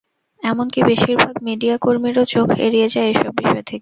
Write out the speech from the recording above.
এমনকি বেশির ভাগ মিডিয়া কর্মীরও চোখ এড়িয়ে যায় এসব বিষয় থেকে।